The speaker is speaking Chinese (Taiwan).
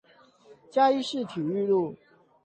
嘉義市體育路